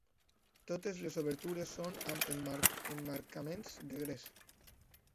Totes les obertures són amb emmarcaments de gres.